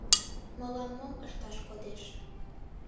Мылам мом ышташ кодеш?